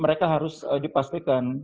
mereka harus dipastikan